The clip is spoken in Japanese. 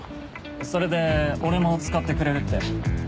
それで俺も使ってくれるって。